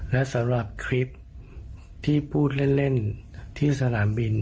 และสำหรับคลิปที่พูดเล่นที่สนามบิน